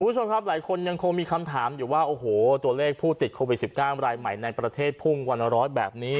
คุณผู้ชมครับหลายคนยังคงมีคำถามอยู่ว่าโอ้โหตัวเลขผู้ติดโควิด๑๙รายใหม่ในประเทศพุ่งวันละร้อยแบบนี้